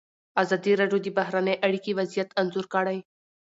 ازادي راډیو د بهرنۍ اړیکې وضعیت انځور کړی.